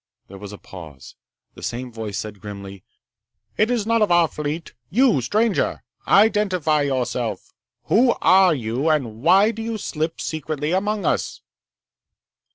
There was a pause. The same voice said grimly: "It is not of our fleet. You, stranger! Identify yourself! Who are you and why do you slip secretly among us?"